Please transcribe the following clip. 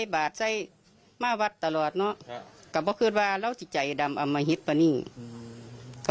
โปรดเงินเอาอย่างจังทรีย์ล่ะ